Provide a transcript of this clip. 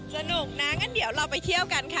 สนุกนะงั้นเดี๋ยวเราไปเที่ยวกันค่ะ